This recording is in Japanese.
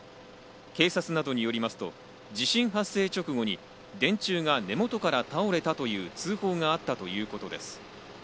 警察などによりますと地震発生直後に電柱が根元から倒れたという通報があったということです。